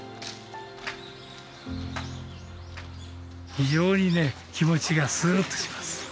非常にね気持ちがスッとします。